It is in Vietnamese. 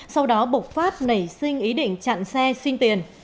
sau đó bục phát nảy sinh ý định chặn xe xin tiền